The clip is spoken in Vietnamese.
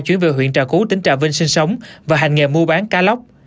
chuyển về huyện trà cú tỉnh trà vinh sinh sống và hành nghề mua bán cá lóc